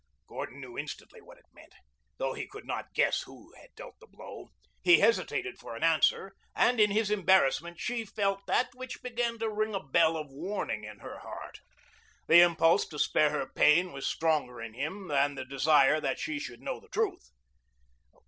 Gordon knew instantly what it meant, though he could not guess who had dealt the blow. He hesitated for an answer, and in his embarrassment she felt that which began to ring a bell of warning in her heart. The impulse to spare her pain was stronger in him than the desire that she should know the truth.